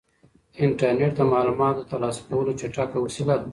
انټرنيټ د معلوماتو د ترلاسه کولو چټکه وسیله ده.